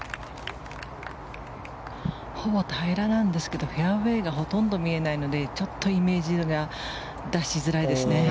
ほぼ平らなんですけどフェアウェーがほとんど見えないのでちょっとイメージが出しづらいですね。